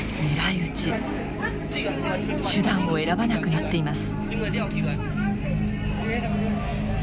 手段を選ばなくなっています。